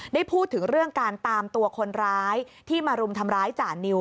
ได้พูดถึงเรื่องการตามตัวคนร้ายที่มารุมทำร้ายจ่านิว